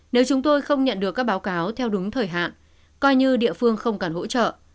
nếu chúng tôi không nhận được các báo cáo theo đúng thời hạn coi như địa phương không cần hỗ trợ